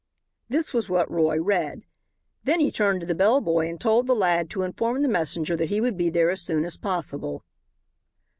This was what Roy read. Then he turned to the bellboy and told the lad to inform the messenger that he would be there as soon as possible.